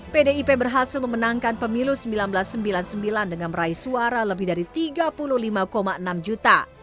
pdip berhasil memenangkan pemilu seribu sembilan ratus sembilan puluh sembilan dengan meraih suara lebih dari tiga puluh lima enam juta